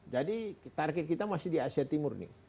target kita masih di asia timur nih